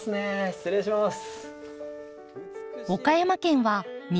失礼します。